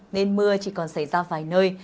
nên mưa chỉ còn xảy ra vài nơi